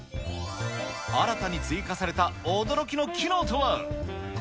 新たに追加された驚きの機能とは？